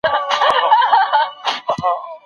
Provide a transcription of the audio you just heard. د پوهي د ترلاسه کولو لپاره هڅي ګړندۍ کېږي.